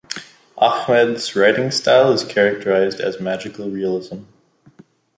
Ahmed's writing style is characterized as magical realism.